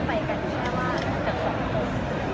มีโครงการทุกทีใช่ไหม